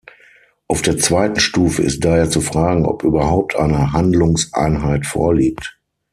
Auf der zweiten Stufe ist daher zu fragen, ob überhaupt eine Handlungseinheit vorliegt.